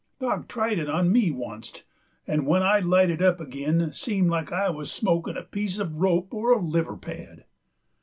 Dock tried it on me oncet, 'nd when I lighted up ag'in seemed like I wuz smokin' a piece uv rope or a liver pad.